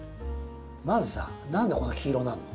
まずさ何でこんな黄色になるの？